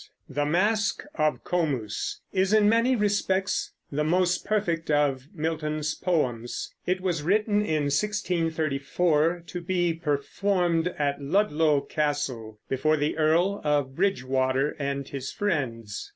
The "Masque of Comus" is in many respects the most perfect of Milton's poems. It was written in 1634 to be performed at Ludlow Castle before the earl of Bridgewater and his friends.